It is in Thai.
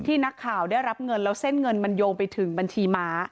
นักข่าวได้รับเงินแล้วเส้นเงินมันโยงไปถึงบัญชีม้า